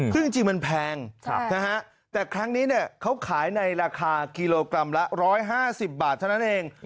ซึ่งจริงจริงมันแพงใช่นะฮะแต่ครั้งนี้เนี่ยเขาขายในราคากิโลกรัมละร้อยห้าสิบบาทเท่านั้นเองอืม